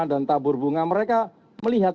dan tabur bunga mereka melihat